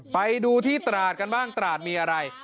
ไปดูที่ตราดกันบ้างตราดมีอะไร